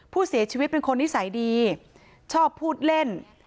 ผู้เสียชีวิตเป็นคนนิสัยดีชอบพูดเล่น